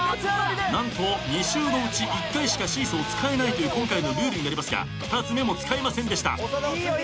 何と２周のうち１回しかシーソーを使えないという今回のルールになりますが２つ目も使いませんでした。